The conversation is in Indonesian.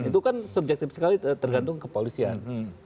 itu kan subjektif sekali tergantung kepolisian